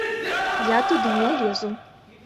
Я туды не лезу.